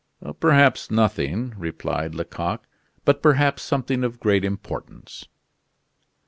"Perhaps nothing," replied Lecoq, "but perhaps something of great importance."